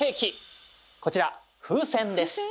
こちら風船です。